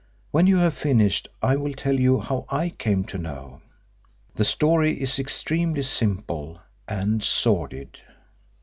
When you have finished I will tell you how I came to know. The story is extremely simple and sordid."